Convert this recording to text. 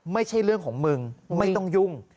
ไม่ใช่เรื่องของมึงไม่ต้องยุ่ง